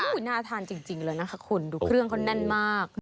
น่าทานจริงเลยนะคะคุณดูเครื่องเขาแน่นมาก